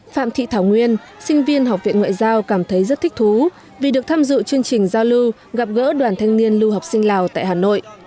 phạm thị thảo nguyên sinh viên học viện ngoại giao cảm thấy rất thích thú vì được tham dự chương trình giao lưu gặp gỡ đoàn thanh niên lưu học sinh lào tại hà nội